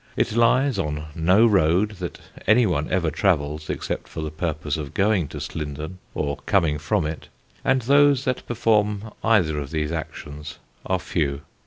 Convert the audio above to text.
It lies on no road that any one ever travels except for the purpose of going to Slindon or coming from it; and those that perform either of these actions are few.